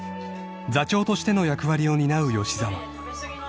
［座長としての役割を担う吉沢］